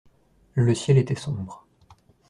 Le ciel était sombre.